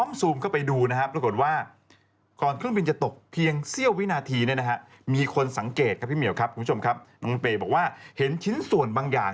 น้องมันเปย์บอกว่าเห็นชิ้นส่วนบางอย่าง